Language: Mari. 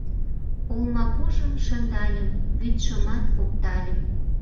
Олмапужым шындальым, вӱдшымат оптальым